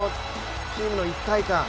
本当にチームの一体感。